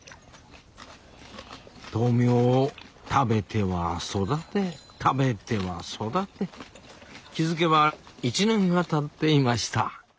豆苗を食べては育て食べては育て気付けば１年がたっていました